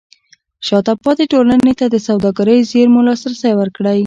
شاته پاتې ټولنې ته د سوداګرۍ زېرمو لاسرسی ورکړئ.